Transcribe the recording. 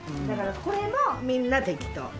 だからこれもみんな適当。